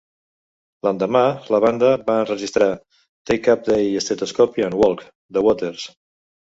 L'endemà, la banda va enregistrar "Take Up Thy Estetoscopi and Walk" de Waters.